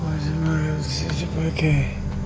masih merius di sisi pakai